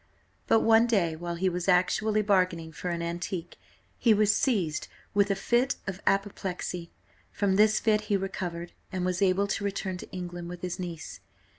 But one day, while he was actually bargaining for an antique, he was seized with a fit of apoplexy. From this fit he recovered, and was able to return to England with his niece.